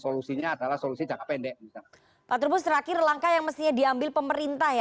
solusinya adalah solusi jangka pendek pak trubus terakhir langkah yang mestinya diambil pemerintah ya